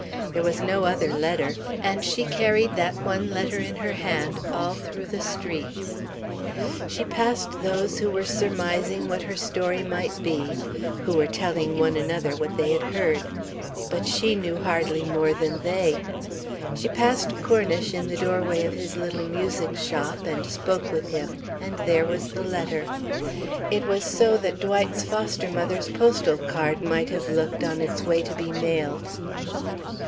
There was no other letter, and she carried that one letter in her hand all through the streets. She passed those who were surmising what her story might be, who were telling one another what they had heard. But she knew hardly more than they. She passed Cornish in the doorway of his little music shop, and spoke with him; and there was the letter. It was so that Dwight's foster mother's postal card might have looked on its way to be mailed.